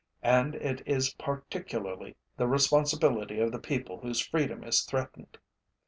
And it is particularly the responsibility of the people whose freedom is threatened.